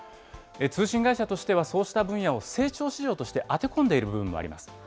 通信会社としては、そうした分野を成長市場として当て込んでいる部分もあります。